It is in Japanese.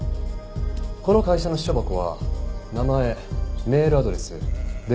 この会社の私書箱は名前メールアドレス電話番号